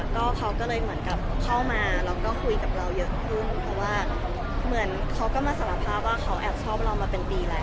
ก็เขาก็เลยเหมือนกับเข้ามาแล้วก็คุยกับเราเยอะขึ้นเพราะว่าเหมือนเขาก็มาสารภาพว่าเขาแอบชอบเรามาเป็นปีแล้ว